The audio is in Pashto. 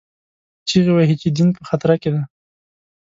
چیغې وهي چې دین په خطر کې دی